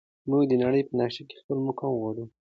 موږ د نړۍ په نقشه کې خپل مقام غواړو.